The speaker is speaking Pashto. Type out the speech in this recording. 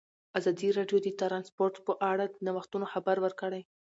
ازادي راډیو د ترانسپورټ په اړه د نوښتونو خبر ورکړی.